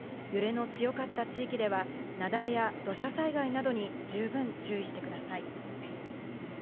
揺れの強かった地域ではなだれや土砂災害などに十分注意してください。